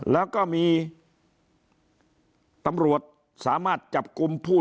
แล้วก็มีตำรวจสามารถจับกลุ่มผู้